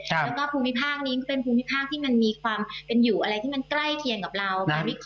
แล้วก็ภูมิภาคนี้ก็เป็นภูมิภาคที่มันมีความเป็นอยู่อะไรที่มันใกล้เคียงกับเรา